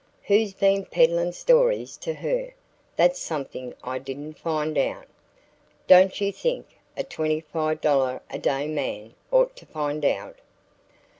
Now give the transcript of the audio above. "Who's been peddling stories to her?" "That's something I didn't find out." "Don't you think a $25 a day man ought to find out?"